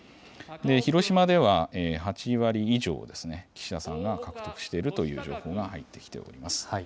広島では８割以上、岸田さんが獲得しているという情報が入ってきております。